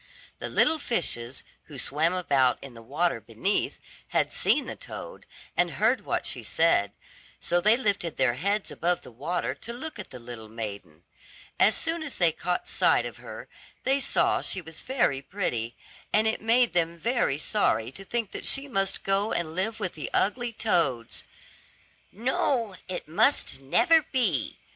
The little fishes, who swam about in the water beneath, had seen the toad, and heard what she said, so they lifted their heads above the water to look at the little maiden. As soon as they caught sight of her, they saw she was very pretty, and it made them very sorry to think that she must go and live with the ugly toads. "No, it must never be!"